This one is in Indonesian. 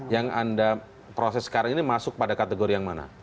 yang anda proses sekarang ini masuk pada kategori yang mana